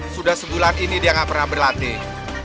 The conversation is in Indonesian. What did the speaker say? sudah sebulan ini dia nggak pernah berlatih